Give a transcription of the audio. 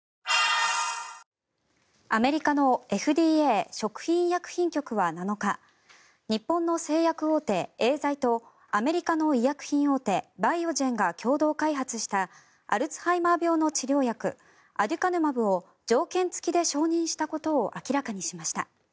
アメリカのＦＤＡ・食品医薬品局は７日日本の製薬大手エーザイとアメリカの医薬品大手バイオジェンが共同開発したアルツハイマー病の治療薬アデュカヌマブを条件付きで承認したことを明らかにしました。